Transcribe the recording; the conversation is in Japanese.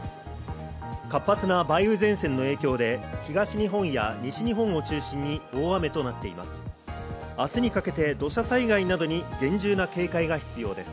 活発な梅雨前線の影響で東日本や西日本を中心に大雨となっています。